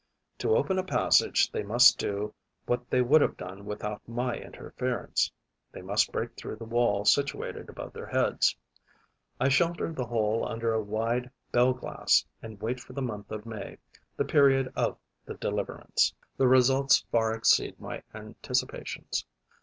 To open a passage, they must do what they would have done without my interference, they must break through the wall situated above their heads. I shelter the whole under a wide bell glass and wait for the month of May, the period of the deliverance. The results far exceed my anticipations.